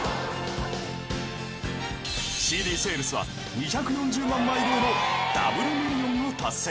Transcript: ［ＣＤセールスは２４０万枚超えのダブルミリオンを達成］